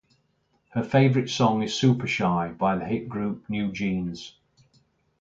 Her favorite song is SuperShy by the hit group New Jeans.